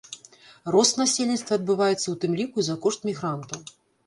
Рост насельніцтва адбываецца ў тым ліку і за кошт мігрантаў.